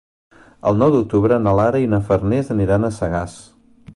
El nou d'octubre na Lara i na Farners aniran a Sagàs.